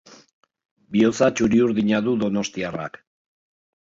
Bihotza txuri-urdina du donostiarrak.